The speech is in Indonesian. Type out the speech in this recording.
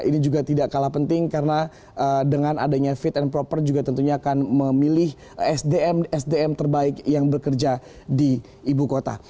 ini juga tidak kalah penting karena dengan adanya fit and proper juga tentunya akan memilih sdm sdm terbaik yang bekerja di ibu kota